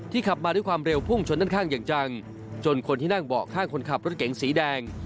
ขับมาด้วยความเร็วพุ่งชนด้านข้างอย่างจังจนคนที่นั่งเบาะข้างคนขับรถเก๋งสีแดง